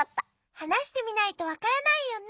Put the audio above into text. はなしてみないとわからないよね。